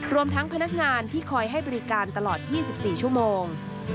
รวมทั้งพนักงานที่คอยให้บริการตลอด๒๔ชั่วโมง